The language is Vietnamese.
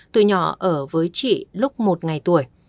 tuổi nhỏ ở với chị lúc một ngày tuổi